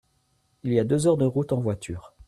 Il y a deux heures de route en voiture.